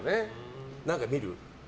何か見る？